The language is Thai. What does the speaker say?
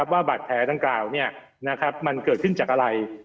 ว่าบาดแผลดังกล่าวมันเกิดขึ้นจากอะไร